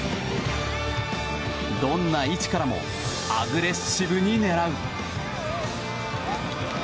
どんな位置からもアグレッシブに狙う。